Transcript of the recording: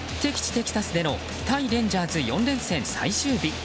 テキサスでの対レンジャーズ４連戦最終日。